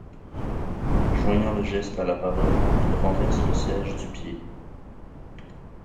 Joignant le geste à la parole, il renverse le siège du pied.